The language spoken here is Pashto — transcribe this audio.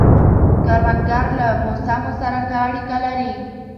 کروندګر له موسمو سره ښه اړیکه لري